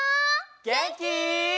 げんき？